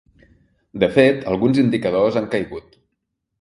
De fet, alguns indicadors han caigut.